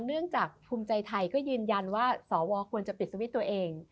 เนื่องจากภูมิใจไทยก็ยืนยันว่าสวควรจะปิดสวิตช์ตัวเอง